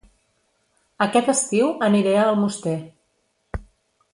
Aquest estiu aniré a Almoster